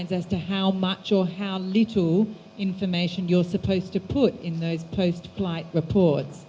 apakah ada arahan atau perkembangan yang harus anda lakukan untuk mengatasi masalah yang terjadi di jakarta